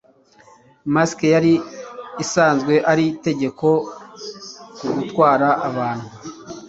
masike yari isanzwe ari itegeko ku gutwara abantu